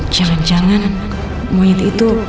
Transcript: jangan jangan monyet itu